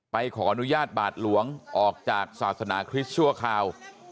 ขออนุญาตบาทหลวงออกจากศาสนาคริสต์ชั่วคราว